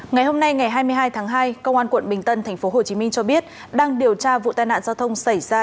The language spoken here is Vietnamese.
ngày hôm nay ngày hai mươi hai tháng hai công an quận bình tân tp hcm cho biết đang điều tra vụ tai nạn giao thông xảy ra